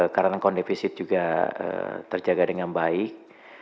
karena account defisit juga terjaga dengan baik